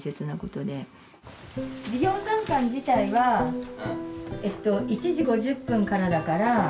授業参観自体はえっと１時５０分からだから。